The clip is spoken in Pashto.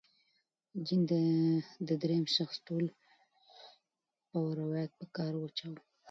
جین د درېیم شخص ټولپوه روایت په کار واچاوه.